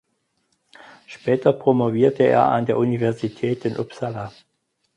Später promovierte er an der Universität in Uppsala.